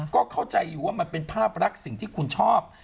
ก็เข้าใจอยู่ว่ามันเป็นภาพรักสิ่งที่คุณชอบ